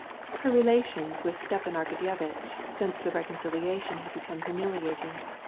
Her relations with Stepan Arkadyevitch after their reconciliation had become humiliating.